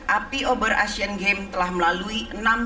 api obor asian games telah melalui